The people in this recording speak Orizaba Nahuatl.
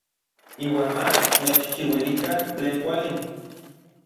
Iuan ma mechchiuilikan tlen kuali.